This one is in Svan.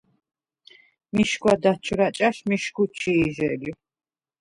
მიშგვა დაჩვრა̈ ჭა̈შ მიშგუ ჩი̄ჟე ლი.